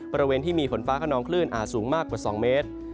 บริเวณที่มีฝนฟ้าขนองคลื่นอาจสูงมากกว่า๒เมตร